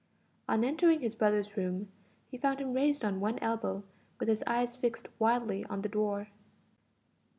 On entering his brother's room, he found him raised on one elbow, with his eyes fixed wildly on the door.